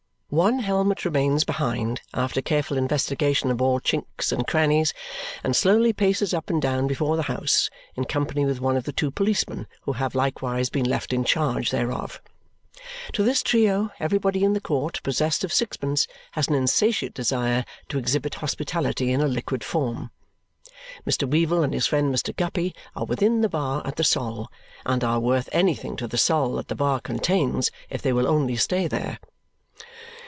One helmet remains behind after careful investigation of all chinks and crannies and slowly paces up and down before the house in company with one of the two policemen who have likewise been left in charge thereof. To this trio everybody in the court possessed of sixpence has an insatiate desire to exhibit hospitality in a liquid form. Mr. Weevle and his friend Mr. Guppy are within the bar at the Sol and are worth anything to the Sol that the bar contains if they will only stay there.